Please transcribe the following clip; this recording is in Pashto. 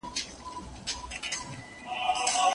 نا لوستې ميرمن د ناز په ارزښت نه پوهيږي.